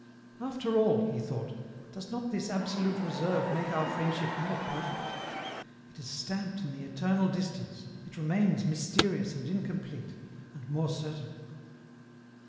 " After all," he thought, " does not this absolute reserve make our friendship more perfect ? it is stamped in the eternal distance, it remains mysterious and incomplete, and more certain."